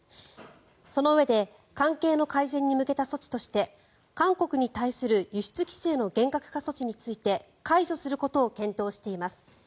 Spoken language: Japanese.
そのうえで関係の改善に向けた措置として韓国に対する輸出規制の厳格化措置について解除することを検討しています。